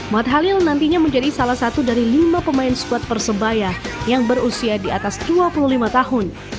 matt halil nantinya menjadi salah satu dari lima pemain squad persebaya yang berusia di atas dua puluh lima tahun